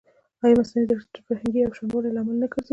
ایا مصنوعي ځیرکتیا د فرهنګي یوشان والي لامل نه ګرځي؟